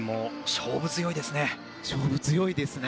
勝負強いですね。